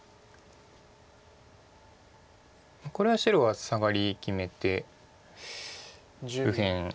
これは白はサガリ決めて右辺